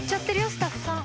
スタッフさん。